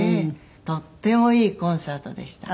とてもいいコンサートでした。